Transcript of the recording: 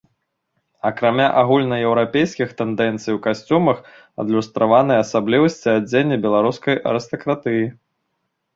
Акрамя агульнаеўрапейскіх тэндэнцый у касцюмах адлюстраваныя асаблівасці адзення беларускай арыстакратыі.